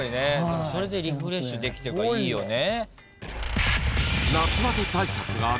それでリフレッシュできてるからいいよね。